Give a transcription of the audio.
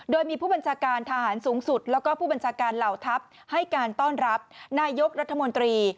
โดยมีผู้บัญชาการทหารสูงสุดแล้วก็ผู้บัญชาการเหล่าทัพให้การต้อนรับนายกรัฐมนตรี